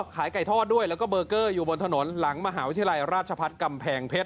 ขายไก่ทอดด้วยแล้วก็เบอร์เกอร์อยู่บนถนนหลังมหาวิทยาลัยราชพัฒน์กำแพงเพชร